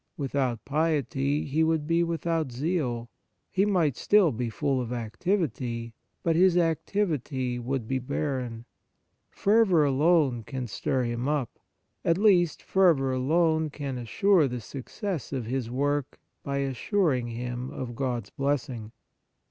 Without piety he would be without zeal ; he might still be full of activity, but his activity would be barren. Fervour alone can siir him up; at least, fer vour alone can assure the success of his work by assuring him of God's blessing.